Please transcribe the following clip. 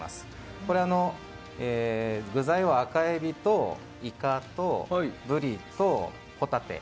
これは具材は赤エビとイカと、ブリとホタテ。